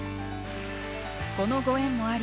このご縁もあり